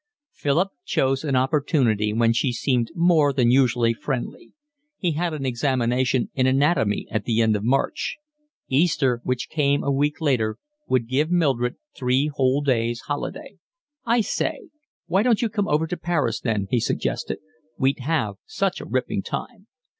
Philip chose an opportunity when she seemed more than usually friendly. He had an examination in anatomy at the end of March. Easter, which came a week later, would give Mildred three whole days holiday. "I say, why don't you come over to Paris then?" he suggested. "We'd have such a ripping time."